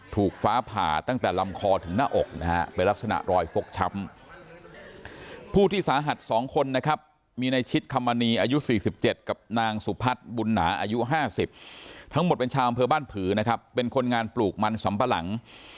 ผู้ที่สาหัสสองคนนะครับมีในชิดคำวรรณีอายุสี่สิบเจ็ดกับนางสุพัฒน์บุญหาอายุห้าสิบทั้งหมดเป็นชาวอำเผอบ้านผือนะครับเป็นคนงานปลูกมันสำปะหลัง